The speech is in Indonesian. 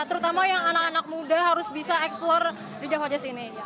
terutama yang anak anak muda harus bisa eksplor di java jazz ini